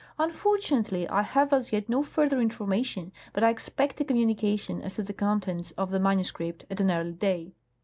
Unfortunately, I have as yet no further information, but I expect a communication as to the contents of the MSS. at an early day.